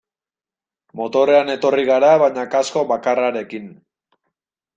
Motorrean etorri gara baina kasko bakarrarekin.